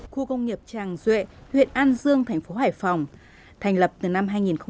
khu công nghiệp tràng duệ huyện an dương tp hải phòng thành lập từ năm hai nghìn bảy